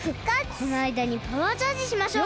このあいだにパワーチャージしましょう！